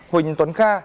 huỳnh tuấn kha